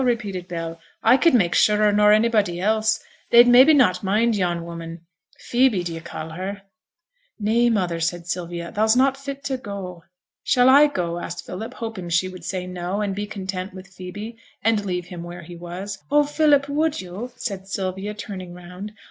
repeated Bell. 'I could make surer nor anybody else; they'd maybe not mind yon woman Phoebe d'ye call her?' 'Nay, mother,' said Sylvia, 'thou's not fit to go.' 'Shall I go?' asked Philip, hoping she would say 'no', and be content with Phoebe, and leave him where he was. 'Oh, Philip, would yo'?' said Sylvia, turning round.